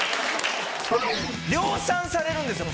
量産されるんですよ